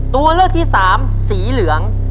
ตัวเลือกที่สามสีเหลือง